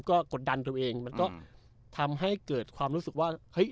ก็กดดันตัวเองมันก็ทำให้เกิดความรู้สึกว่าเฮ้ย